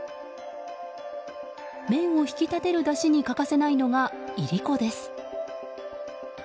麺を引き立てるだしに欠かせないのが、イリコです。